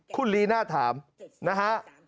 คุณลีน่าถามนะฮะ